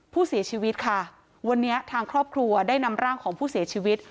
ผู้เสียชีวิตค่ะวันนี้ทางครอบครัวได้นำร่างของผู้เสียชีวิต